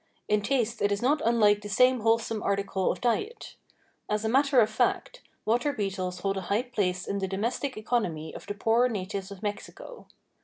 In taste it is not unlike the same wholesome article of diet. As a matter of fact, water beetles hold a high place in the domestic economy of the poorer natives of Mexico.